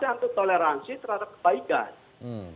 dan toleransi terhadap kebaikan